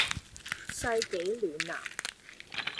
世紀暖男